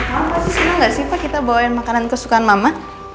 senang gak sih pak kita bawain makanan kesukaan mama